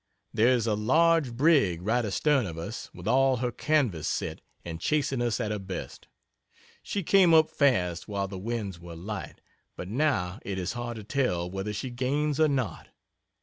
There is a large brig right astern of us with all her canvas set and chasing us at her best. She came up fast while the winds were light, but now it is hard to tell whether she gains or not.